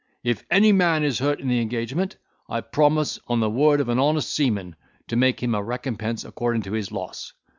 If any man is hurt in the engagement, I promise on the word of an honest seaman, to make him a recompense according to his loss.